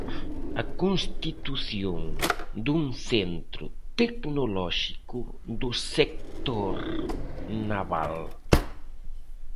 A constitución dun Centro tecnolóxico do sector naval.